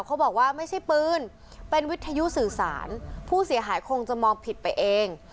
เขาบอกว่าไม่ใช่ปืนเป็นวิทยุสื่อสารผู้เสียหายคงจะมองผิดไปเอง